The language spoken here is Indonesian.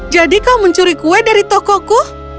jadi kau mencuri kue dari tokoku